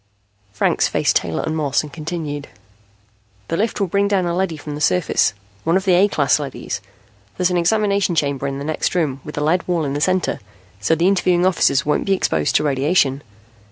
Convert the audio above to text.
Franks faced Taylor and Moss and continued: "The lift will bring down a leady from the surface, one of the A class leadys. There's an examination chamber in the next room, with a lead wall in the center, so the interviewing officers won't be exposed to radiation.